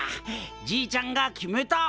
じいちゃんが決めた！